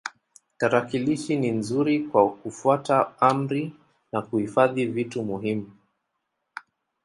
Tarakilishi ni nzuri kwa kufuata amri na kuhifadhi vitu muhimu.